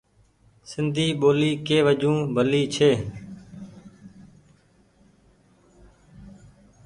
سندي ٻولي ڪي وجون ڀلي ڇي۔